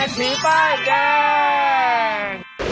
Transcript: เสถียร์ป้ายแดง